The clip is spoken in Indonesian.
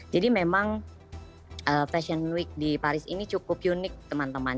jadi memang fashion week di paris ini cukup unik teman teman